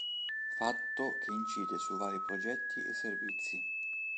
Fatto che incide su vari progetti e servizi.